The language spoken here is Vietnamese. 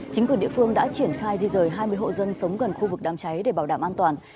chính quyền địa phương đã triển khai di rời hai mươi hộ dân sống gần khu vực đám cháy để bảo đảm an toàn